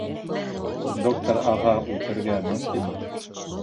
Доктор А.-ға үтергә мөмкинме?